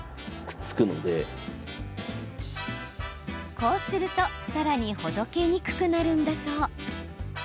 こうすると、さらにほどけにくくなるんだそう。